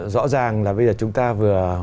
rõ ràng là bây giờ chúng ta vừa